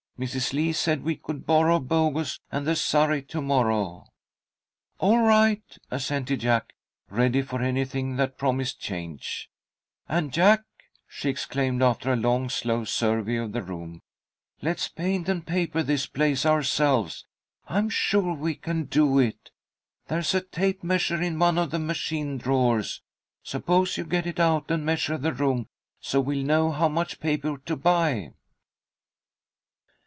Mrs. Lee said we could borrow Bogus and the surrey to morrow." "All right," assented Jack, ready for anything that promised change. "And Jack!" she exclaimed, after a long slow survey of the room, "let's paint and paper this place ourselves! I'm sure we can do it. There's a tape measure in one of the machine drawers. Suppose you get it out and measure the room, so we'll know how much paper to buy."